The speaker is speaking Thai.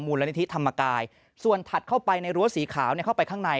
ละนิธิธรรมกายส่วนถัดเข้าไปในรั้วสีขาวเข้าไปข้างใน